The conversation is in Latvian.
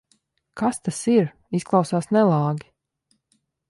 Kas tas ir? Izklausās nelāgi.